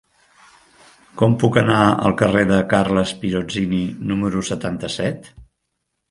Com puc anar al carrer de Carles Pirozzini número setanta-set?